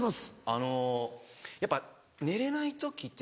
あのやっぱ寝れない時っていうか普段。